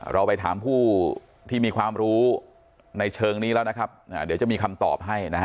เราไปถามผู้ที่มีความรู้ในเชิงนี้แล้วนะครับเดี๋ยวจะมีคำตอบให้นะฮะ